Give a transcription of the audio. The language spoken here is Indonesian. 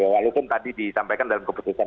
walaupun tadi disampaikan dalam keputusan